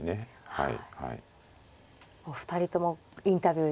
はい。